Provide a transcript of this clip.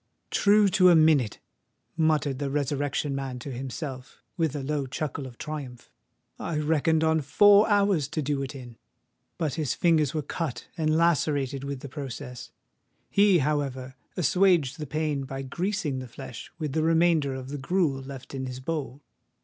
"True to a minute!" muttered the Resurrection Man to himself, with a low chuckle of triumph: "I reckoned on four hours to do it in!" But his fingers were cut and lacerated with the process: he, however, assuaged the pain by greasing the flesh with the remainder of the gruel left in his bowl.